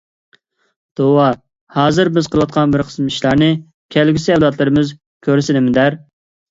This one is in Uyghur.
توۋا، ھازىر بىز قىلىۋاتقان بىر قىسىم ئىشلارنى كەلگۈسى ئەۋلادلىرىمىز كۆرسە نېمە دەر؟